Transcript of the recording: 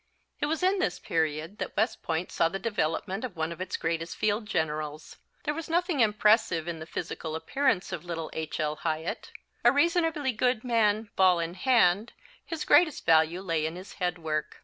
It was in this period that West Point saw the development of one of its greatest field generals. There was nothing impressive in the physical appearance of little H. L. Hyatt. A reasonably good man, ball in hand, his greatest value lay in his head work.